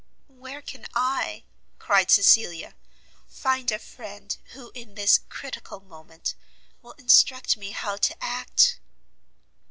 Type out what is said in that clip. "Where can I," cried Cecilia, "find a friend, who, in this critical moment will instruct me how to act!"